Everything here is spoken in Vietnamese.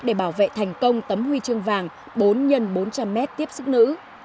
để bảo vệ thành công tấm huy chương vàng bốn x bốn trăm linh m tiếp sức nữ